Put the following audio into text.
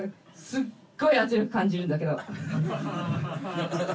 すっごい圧力感じるんだけど」